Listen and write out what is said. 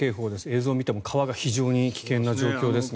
映像を見ても川が非常に危険な状況ですね。